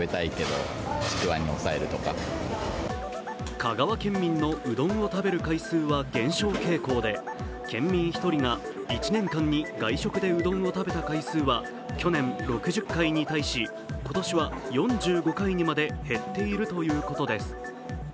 香川県民のうどんを食べる回数は減少傾向で県民１人が１年間に外食でうどんを食べた回数は去年６０回に対し今年は４５回にまで減っているということです。